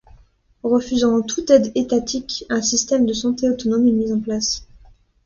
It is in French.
Refusant toute aide étatique, un système de santé autonome est mis en place.